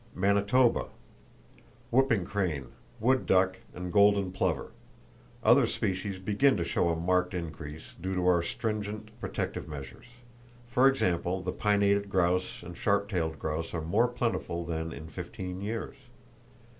Manitoba: Whooping crane, wood duck and golden plover. Other species begin to show a marked increase, due to our stringent protective measures. For example, the pinnated grouse and sharp tailed grouse are more plentiful than in 15 years.